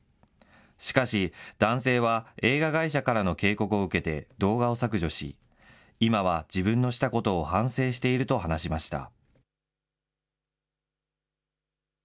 しかし、男性は映画会社からの警告を受けて、動画を削除し、今は自分のしたことを反省していると話しました。